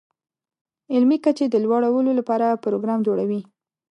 علمي کچې د لوړولو لپاره پروګرام جوړوي.